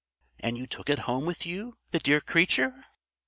"And you took it home with you, the dear creature?"